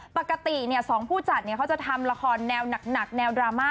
ปกติ๒ผู้จัดเขาจะทำละครแนวหนักแนวดราม่า